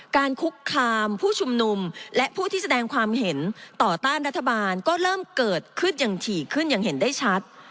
คุกคามผู้ชุมนุมและผู้ที่แสดงความเห็นต่อต้านรัฐบาลก็เริ่มเกิดขึ้นอย่างถี่ขึ้นอย่างเห็นได้ชัด